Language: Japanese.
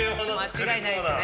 間違いないですね。